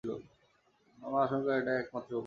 আমার আশঙ্কা এটাই একমাত্র উপায়।